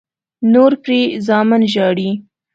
نور پرې زامن ژاړي.